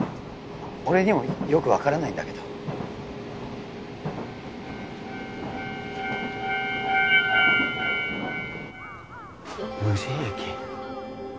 俺にもよく分からないんだけど無人駅？